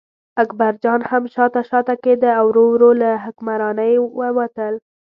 اکبرجان هم شاته شاته کېده او ورو ورو له حکمرانۍ ووتل.